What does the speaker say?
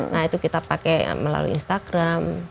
nah itu kita pakai melalui instagram